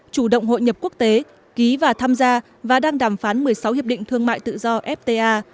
chủ động hội nhập quốc tế ký và tham gia và đang đàm phán một mươi sáu hiệp định thương mại tự do fta